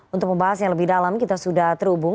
untuk membahas yang lebih dalam kita sudah terhubung